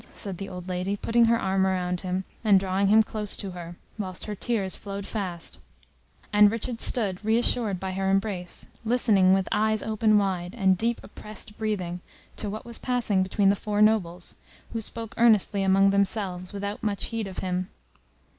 said the old lady, putting her arm round him, and drawing him close to her, whilst her tears flowed fast, and Richard stood, reassured by her embrace, listening with eyes open wide, and deep oppressed breathing, to what was passing between the four nobles, who spoke earnestly among themselves, without much heed of him.